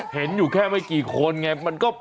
เห็นอยู่แค่ไม่กี่คนไง